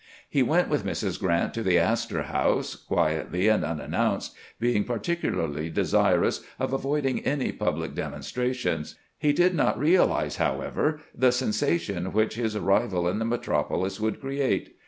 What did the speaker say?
He went with Mrs. Grant to the Astor House, quietly and unannounced, being par ticularly desirous of avoiding any public demonstrations. He did not realize, however, the sensation which his ar rival in the metropolis would create.